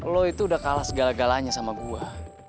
lo itu udah kalah segala galanya sama gua